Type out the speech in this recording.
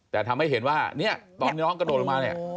แต่ทำให้เห็นว่าเนี่ยตอนที่น้องกระโดดลงมาเนี่ย